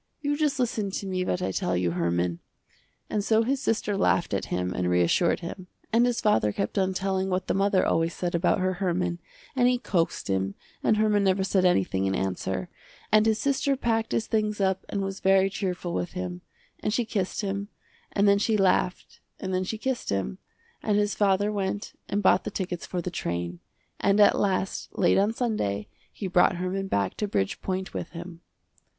You just listen to me what I tell you Herman." And so his sister laughed at him and reassured him, and his father kept on telling what the mother always said about her Herman, and he coaxed him and Herman never said anything in answer, and his sister packed his things up and was very cheerful with him, and she kissed him, and then she laughed and then she kissed him, and his father went and bought the tickets for the train, and at last late on Sunday he brought Herman back to Bridgepoint with him.